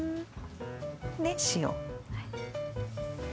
で塩。